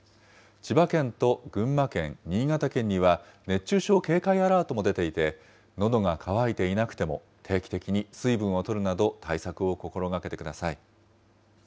千葉県と群馬県、新潟県には熱中症警戒アラートも出ていて、のどが渇いていなくても、定期的に水分をとるなど対策を心がけてください。